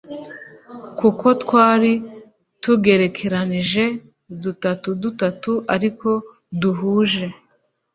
kuko twari tugerekeranije dutatu dutatu ariko duhuje